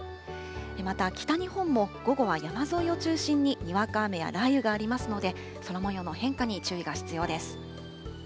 また北日本も午後は山沿いを中心ににわか雨や雷雨がありますので、空もようの変化に注意が必要です。